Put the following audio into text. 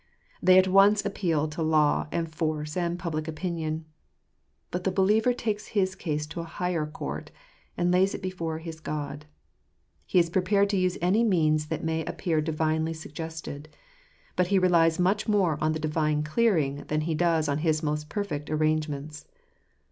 They at once appeal to law and force and public opinion. But the believer takes his case into a higher court, and lays ! it before his God. He is prepared to use any means that may appear divinely suggested. But he relies much more on the divine clearing than he does on his own most perfect arrangements.